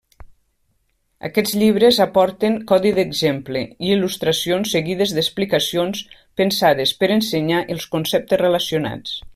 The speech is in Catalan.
Aquests llibres aporten codi d'exemple i il·lustracions seguides d'explicacions pensades per ensenyar els conceptes relacionats.